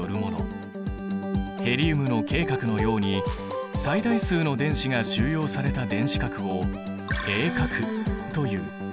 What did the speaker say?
ヘリウムのＫ殻のように最大数の電子が収容された電子殻を閉殻という。